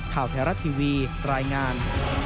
ข่าวไทยรัฐทีวีรายงาน